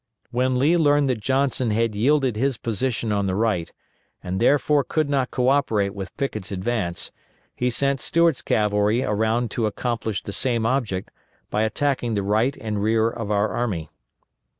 When Lee learned that Johnson had yielded his position on the right, and therefore could not co operate with Pickett's advance, he sent Stuart's cavalry around to accomplish the same object by attacking the right and rear of our army.